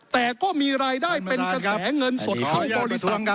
แต่ก็มีรายได้เป็นกระแสเงินสดเข้า